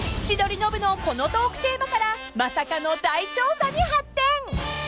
［千鳥ノブのこのトークテーマからまさかの大調査に発展］